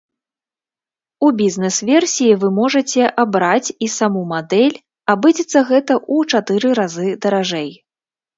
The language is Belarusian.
У бізнэс-версіі вы можаце абраць і саму мадэль, абыдзецца гэта ў чатыры разы даражэй.